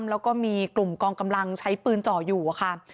แล้วก็มีกลุ่มกองกำลังใช้ปืนจ่ออยู่ค่ะ